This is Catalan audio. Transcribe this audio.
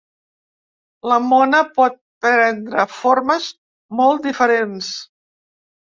La mona pot prendre formes molt diferents.